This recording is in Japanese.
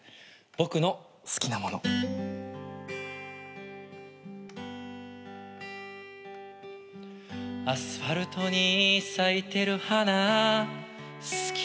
『僕の好きなもの』「アスファルトに咲いてる花好き」